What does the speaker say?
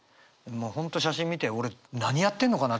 もう本当写真見て俺何やってんのかなっていう。